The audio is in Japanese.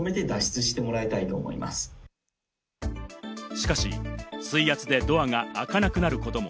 しかし、水圧でドアが開かなくなることも。